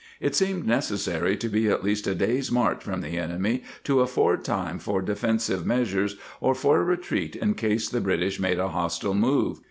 It seemed necessary to be at least a day's march from the enemy to afford time for defensive measures or for retreat in case the British made a hostile move.